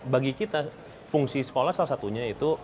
bagi kita fungsi sekolah salah satunya itu